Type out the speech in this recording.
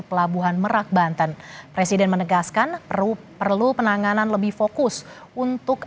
pelabuhan merak banten presiden menegaskan perlu perlu penanganan lebih fokus untuk